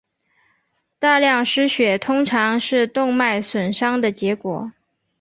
大量失血通常是动脉损伤的结果。